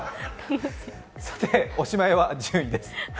おしまいは１０位です。